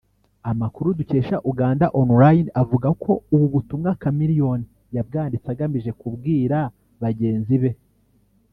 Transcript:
Amakuru dukesha Uganda online avuga ko ubu butumwa Chameleone yabwanditse agamije kubwira bagenzi be